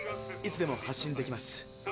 いつでも発進できます。